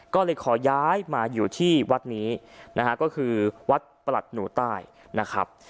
ก็เลยขอย้ายมาอยู่ที่วัดนี้นะฮะก็คือวัดประหลัดหนูใต้นะครับ